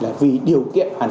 là vì điều kiện hoàn cảnh